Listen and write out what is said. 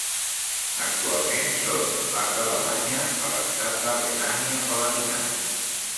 Actualment són part d'Alemanya a l'estat de Renània-Palatinat.